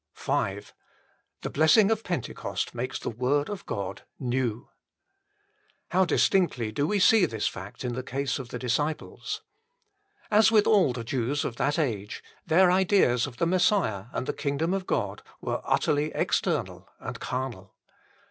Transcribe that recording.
V The blessing of Pentecost makes the whole Word of God new. How distinctly do we see this fact in the case 1 Acts v. 29. HOW GLORIOUS IT IS 29 of the disciples. As with all the Jews of that age, their ideas of the Messiah and the kingdom of God were utterly external and carnal.